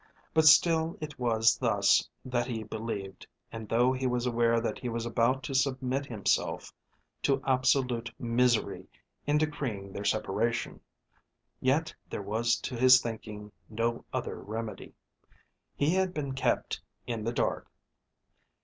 But still it was thus that he believed, and though he was aware that he was about to submit himself to absolute misery in decreeing their separation, yet there was to his thinking no other remedy. He had been kept in the dark.